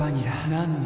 なのに．．．